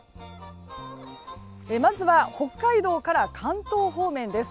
まずは北海道から関東方面です。